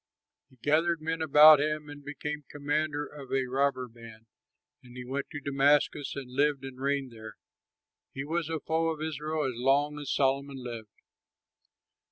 He gathered men about him and became commander of a robber band, and he went to Damascus and lived and reigned there. He was a foe to Israel as long as Solomon lived.